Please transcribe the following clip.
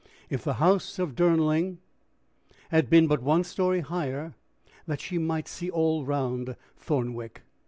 If the house of Durnmelling had but been one story higher, that she might see all round Thornwick!